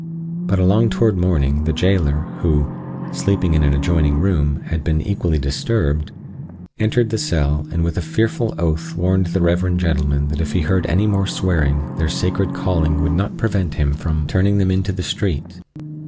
But along toward morning the jailer, who, sleeping in an adjoining room, had been equally disturbed, entered the cell and with a fearful oath warned the reverend gentlemen that if he heard any more swearing their sacred calling would not prevent him from turning them into the street.